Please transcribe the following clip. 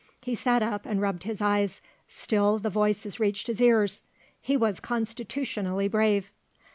He sat up and rubbed his eyes still the voices reached his ears. He was constitutionally brave.